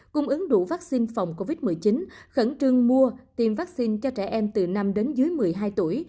cung ứng đủ vaccine phòng covid một mươi chín khẩn trương mua tiêm vaccine cho trẻ em từ năm đến dưới một mươi hai tuổi